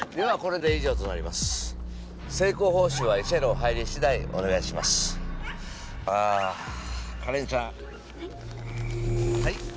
はい。